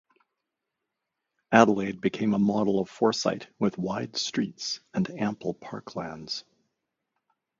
Adelaide became a model of foresight with wide streets and ample parklands.